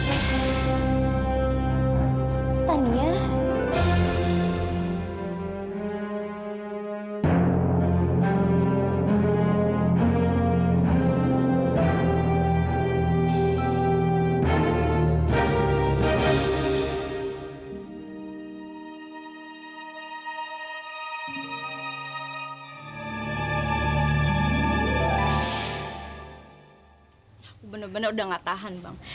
aku bener bener udah gak tahan bang